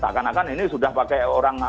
dan seakan akan ini sudah pakai orang lain